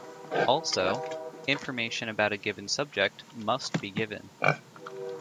Also, information about a given subject must be given.